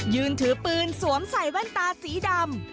ยืนถือปืนสวมใส่แว่นตาสีดำ